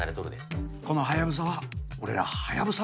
このハヤブサは俺らハヤブサ